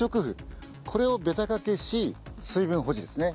これをべた掛けし水分保持ですね